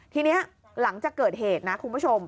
ทีนี้หลังจากเกิดเหตุนะคุณผู้ชม